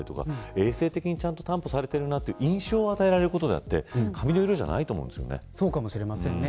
衛生的に、ちゃんと担保されているなという印象を与えられることだって髪の色じゃないとそうかもしれませんね。